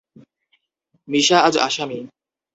মিশা আজ আসামি।